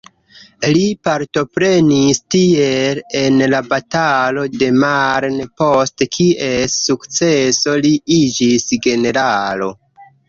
Li partoprenis tiel en la batalo de Marne, post kies sukceso, li iĝis generalo.